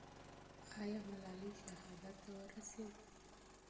آیا ملالۍ شهادت ته ورسېده؟